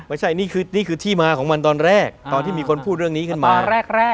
ไม่ใช่นี่คือที่มาของมันตอนแรกตอนที่มีคนพูดเรื่องนี้ขึ้นมาตอนแรกแรก